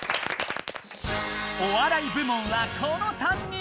お笑い部門はこの３人！